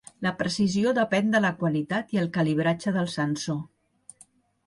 La precisió depèn de la qualitat i el calibratge del sensor.